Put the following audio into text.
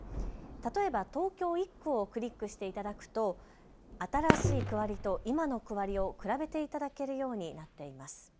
例えば東京１区をクリックしていただくと新しい区割りと今の区割りを比べていただけるようになっています。